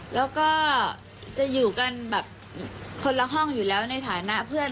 แล้วก็จะอยู่กันแบบคนละห้องอยู่แล้วในฐานะเพื่อน